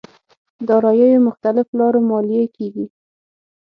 داراییو مختلف لارو ماليې کېږي.